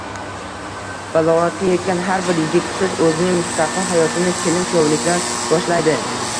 Balog‘atga yetgan har bir yigit-qiz o‘zining mustaqil hayotini kelin-kuyovlikdan boshlaydi.